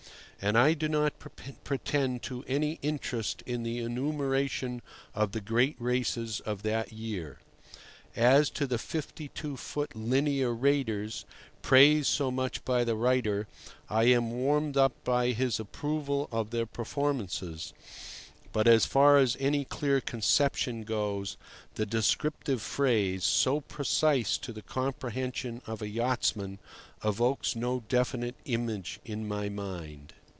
And I do not pretend to any interest in the enumeration of the great races of that year. As to the 52 foot linear raters, praised so much by the writer, I am warmed up by his approval of their performances; but, as far as any clear conception goes, the descriptive phrase, so precise to the comprehension of a yachtsman, evokes no definite image in my mind.